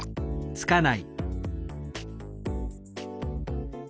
つかない。